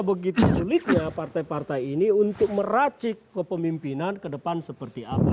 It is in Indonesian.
begitu sulitnya partai partai ini untuk meracik kepemimpinan ke depan seperti apa